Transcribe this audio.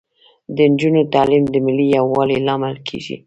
د نجونو تعلیم د ملي یووالي لامل کیږي.